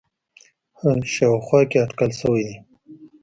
ه شاوخوا کې اټکل شوی دی